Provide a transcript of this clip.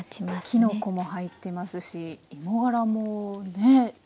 きのこも入ってますし芋がらもね。